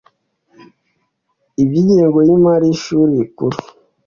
iby ingengo y imari y ishuri rikuru